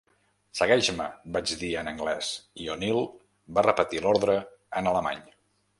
"Segueix-me", vaig dir en anglès, i O'Neil va repetir l'ordre en alemany.